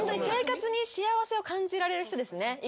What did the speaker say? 生活に幸せを感じられる人ですね。